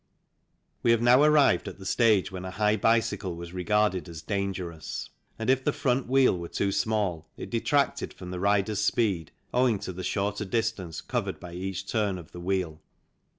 We have now arrived at the stage when a high bicycle was regarded as dangerous, and, if the front wheel were too small, it detracted from the rider's speed owing to the shorter distance covered by each turn of the wheel.